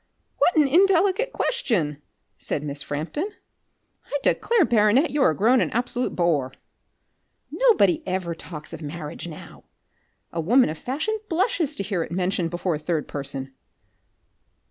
"What an indelicate question!" said Miss Frampton. "I declare, baronet, you are grown an absolute boor. Nobody ever talks of marriage now. A woman of fashion blushes to hear it mentioned before a third person."